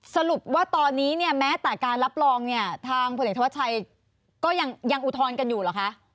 สรุปว่าตอนนี้เนี่ยแม้แต่การรับรองเนี่ยทางพลเอกธวัชชัยก็ยังอุทธรณ์กันอยู่เหรอคะ